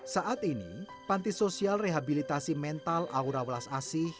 saat ini panti sosial rehabilitasi mental aura welas asih